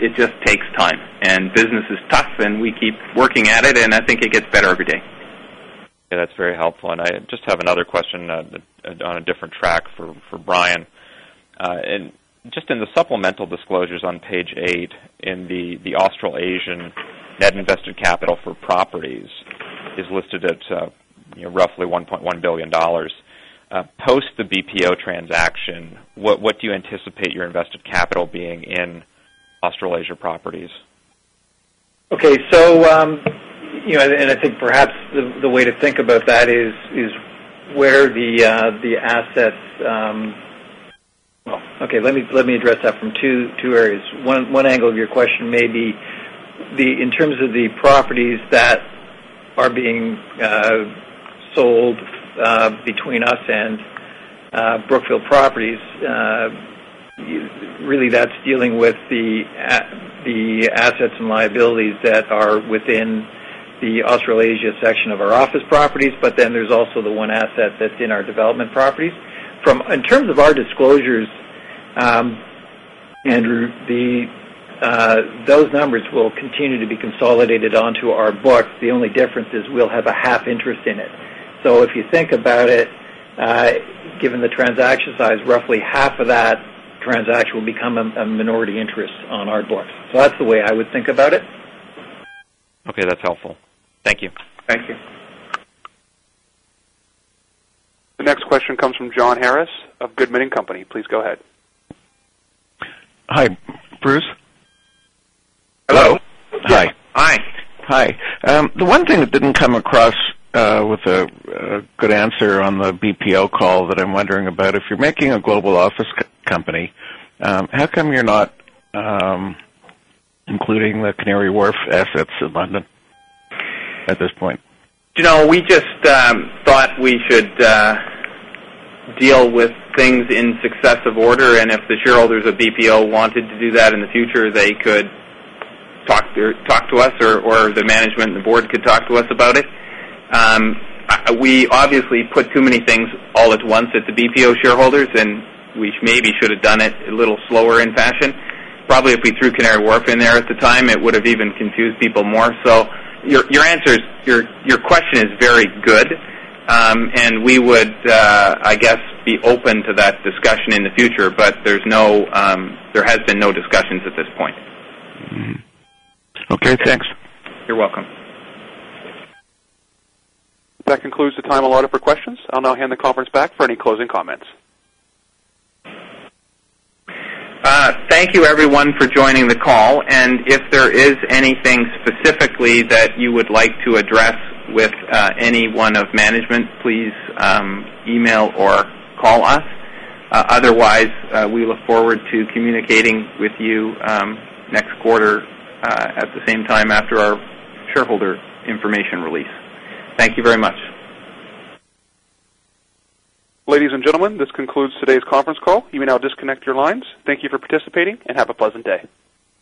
It just takes time and business is tough and we keep working at it and I think it gets better every day. Yes, that's very helpful. And I just have another question on a different track for Brian. Just in the supplemental disclosures on Page 8 in the Australasian, net invested capital for properties is listed at roughly $1,100,000,000 Post the BPO transaction, what and I think perhaps the way to think about that is where the assets let me address that from 2 areas. One angle of your question maybe in terms of the properties that are being sold between us and Brookfield Properties, really that's dealing with the assets and liabilities that are within the Australasia section of our office properties. But then there's also the one asset that's in our development properties. From in terms of our disclosures, Andrew, those numbers will continue to be consolidated onto our book. The only difference is we'll have a half interest in it. So if you think about it, given the transaction size, roughly half of that transaction will become a minority interest on Ardmore. So that's the way I would think about it. Okay. That's helpful. Thank you. Thank you. The next question comes from John Harris of Goodman and Company. Please go ahead. Hi, Bruce. Hello. Hi. Hi. The one thing that didn't come across with a good answer on the BPO call that I'm wondering about. If you're making a global office company, how come you're not including the Canary Wharf assets in London at this point? We just thought we should deal with things in successive order and if the shareholders of BPO wanted to do that in the future, they could talk to us or the management and the Board could talk to us about it. We obviously put too many things all at once at the BPO shareholders and we maybe should have done it a little slower in fashion. Probably if we threw Canary Wharf in there at the time, it would have even confused people more. So your answers your question is very good. And we would, I guess, be open to that discussion in the future. But there's no there has been no discussions at this point. That concludes the time allotted for questions. I'll now hand the conference back for any closing comments. Thank you everyone for joining the call. And if there is anything specifically that you would like to address with any one of management, please e mail or call us. Otherwise, we look forward to communicating with you next quarter at the same time after our shareholder information release. Thank you very much. Ladies and gentlemen, this concludes today's conference call. You may now disconnect your lines. Thank you for participating and have a pleasant day.